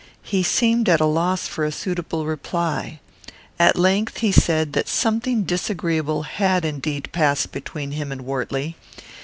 He seemed at a loss for a suitable reply. At length he said that something disagreeable had indeed passed between him and Wortley.